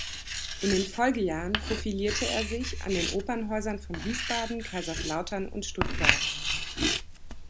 In den Folgejahren profilierte er sich an den Opernhäusern von Wiesbaden, Kaiserslautern und Stuttgart.